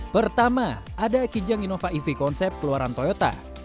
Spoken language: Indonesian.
pertama ada kijang innova ev konsep keluaran toyota